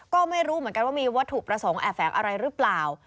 ก็ไม่รู้เหมือนกันว่ามีวัตถุประสงค์แอบแฝงอะไรหรือเปล่า